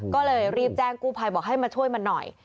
ก็เลยรีบแจ้งกู้ภัยบอกให้มาช่วยมันหน่อย